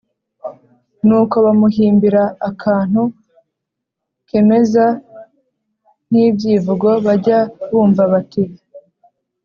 n’uko bamuhimbira akantu kemeza nk’ibyivugo bajya bumva bati